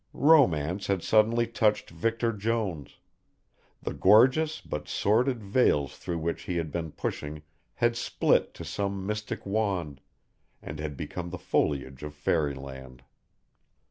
Romance had suddenly touched Victor Jones; the gorgeous but sordid veils through which he had been pushing had split to some mystic wand, and had become the foliage of fairy land.